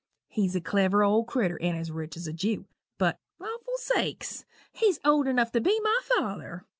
He's a clever old critter and as rich as a Jew but lawful sakes! he's old enough to be my father.